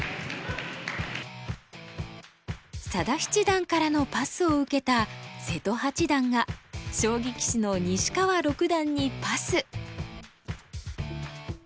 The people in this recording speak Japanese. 佐田七段からのパスを受けた瀬戸八段が将棋棋士の西川六段にパス。